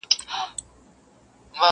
o چوپتيا کله کله له هر غږ څخه درنه وي ډېر,